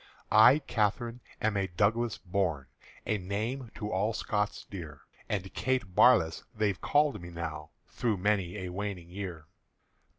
I Catherine am a Douglas born, A name to all Scots dear; And Kate Barlass they've called me now Through many a waning year.